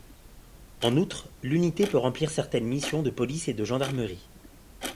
En outre, l'unité peut remplir certaines missions de police et de gendarmerie.